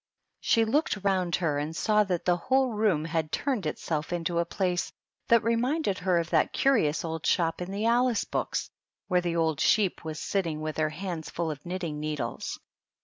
She looked round her, and saw that the whole room had turned itself into a place that reminded her of that curious old shop in the Alice books, where the old Sheep was sitting with her hands fiill of knitting needles.